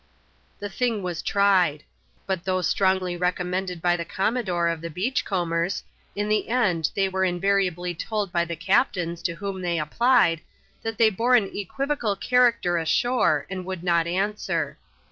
The thing was tried ; but though strongly recommended by the conmiodore of the beach combers, in the end they were in variably told by the captains to whom they applied, that they bore an equivocal character ashore, and would not answer.